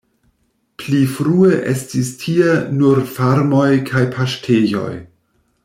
Pli frue estis tie nur farmoj kaj paŝtejoj.